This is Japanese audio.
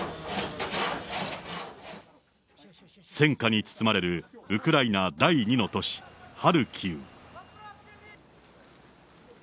戦火に包まれるウクライナ第２の都市ハルキウ。